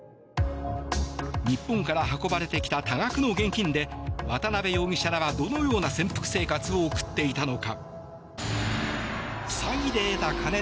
日本から運ばれてきた多額の現金で渡邉容疑者らはどのような潜伏生活を送っていたのか。